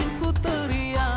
ngurusin tuh jawabnya